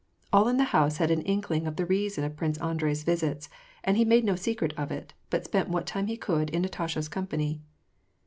All in the house had an ink ling of the reason of Prince Andrei's visits, and he made no secret of it, but spent what time he could in Natasha's company.